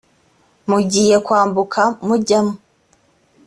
mugiye kwambuka mujyamo